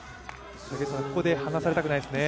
ここで離されたくないですね。